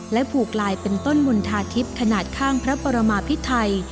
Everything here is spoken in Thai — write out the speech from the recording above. ผูกลายเป็นต้นมณฑาทิพย์ขนาดข้างพระปรมาพิไทย